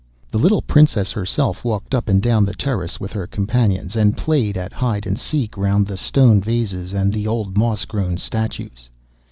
The little Princess herself walked up and down the terrace with her companions, and played at hide and seek round the stone vases and the old moss grown statues.